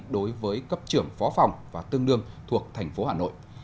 đối với cấp trưởng phó phòng và tương đương thuộc tp hà nội